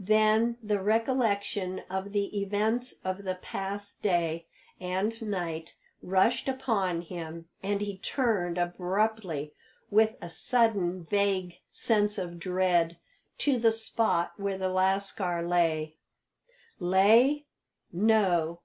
Then the recollection of the events of the past day and night rushed upon him, and he turned abruptly, with a sudden vague sense of dread, to the spot where the lascar lay. Lay?